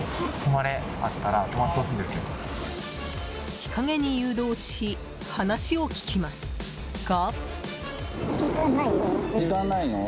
日陰に誘導し話を聞きますが。